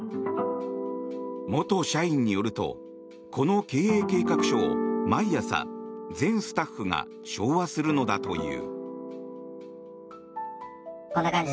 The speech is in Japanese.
元社員によるとこの経営計画書を、毎朝全スタッフが唱和するのだという。